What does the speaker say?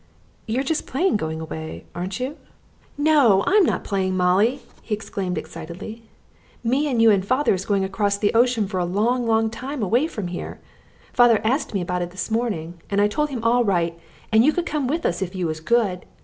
"You're just playing go away, aren't you?" "No, I'm not playing, Molly!" he exclaimed excitedly. "Me and you and father is going across the ocean for a long, long time away from here. Father ast me about it this morning, and I told him all right, and you could come with us if you was good.